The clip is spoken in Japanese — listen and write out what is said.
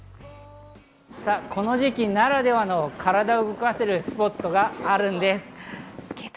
さぁこの時期ならではの体を動かせるスポットがあるんです。